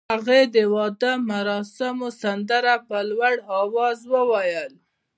هغې د واده مراسمو سندره په لوړ اواز وویل.